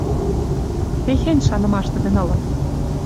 Техень шанымаш тӹдӹн ылын: